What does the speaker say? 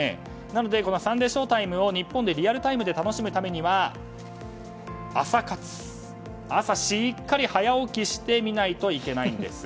なのでサンデーショータイムを日本でリアルタイムで楽しむためには朝活、朝しっかり早起きして見ないといけないんです。